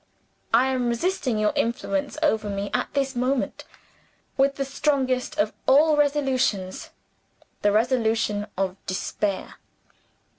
I am resisting your influence over me at this moment, with the strongest of all resolutions the resolution of despair.